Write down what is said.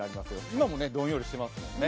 今もどんよりしてますけどね。